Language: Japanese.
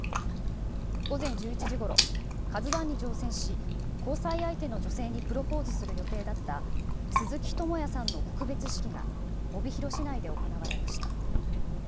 午前１１時ごろ、カズワンに乗船し、交際相手の女性にプロポーズする予定だった、鈴木智也さんの告別式が帯広市内で行われました。